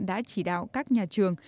đã chỉ đạo các nhà trường